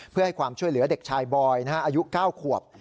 เพื่อให้ความช่วยเหลือเด็กชายบอยอายุ๙ขวบ